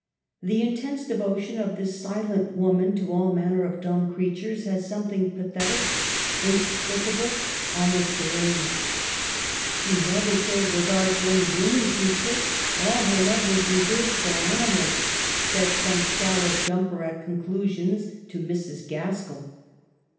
The intense devotion of this silent woman to all manner of dumb creatures has something pathetic, inexplicable, almost de ranged. " She never showed regard to any human creature ; all her love was reserved for animals," said some shallow jumper at conclu sions to Mrs. Gaskell.